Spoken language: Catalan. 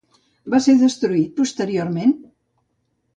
Va ser destruït posteriorment?